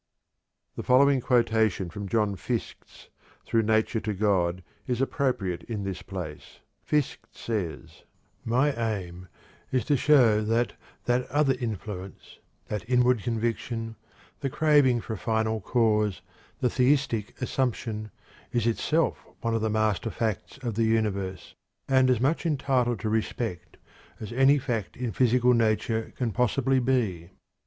The following quotation from John Fiske's "Through Nature to God" is appropriate in this place. Fiske says: "My aim is to show that 'that other influence,' that inward conviction, the craving for a final cause, the theistic assumption, is itself one of the master facts of the universe, and as much entitled to respect as any fact in physical nature can possibly be.